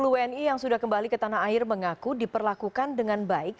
sepuluh wni yang sudah kembali ke tanah air mengaku diperlakukan dengan baik